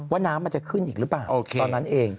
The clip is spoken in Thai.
น้ำมันจะขึ้นอีกหรือเปล่าตอนนั้นเอง